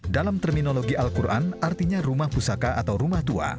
dalam terminologi al quran artinya rumah pusaka atau rumah tua